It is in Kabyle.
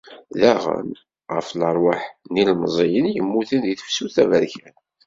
Daɣen, ɣef lerwaḥ n yilemẓiyen yemmuten deg tefsut taberkant.